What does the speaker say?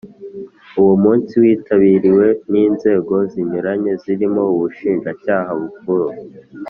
Uwo munsi witabiriwe n Inzego zinyuranye zirimo Ubushinjacyaha Bukuru